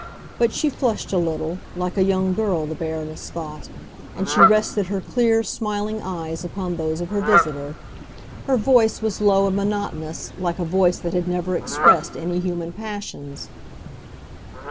But she flushed a little—like a young girl, the Baroness thought—and she rested her clear, smiling eyes upon those of her visitor. Her voice was low and monotonous, like a voice that had never expressed any human passions.